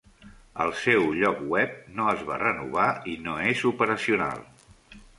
El seu lloc web no es va renovar i no és operacional.